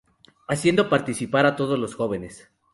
Haciendo participar a todos los jóvenes.